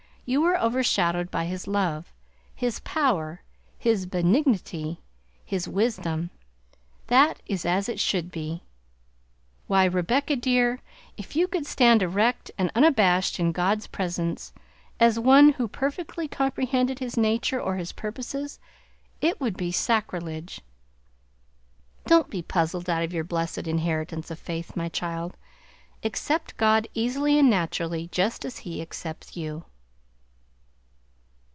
You are overshadowed by His love, His power, His benignity, His wisdom; that is as it should be! Why, Rebecca, dear, if you could stand erect and unabashed in God's presence, as one who perfectly comprehended His nature or His purposes, it would be sacrilege! Don't be puzzled out of your blessed inheritance of faith, my child; accept God easily and naturally, just as He accepts you!"